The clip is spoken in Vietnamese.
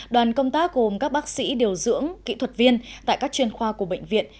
đoàn công tác gồm các bác sĩ điều dưỡng kỹ thuật viên tại các chuyên khoa của bệnh viện